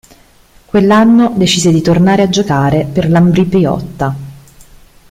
Quell'anno decise di tornare a giocare per l'Ambrì-Piotta.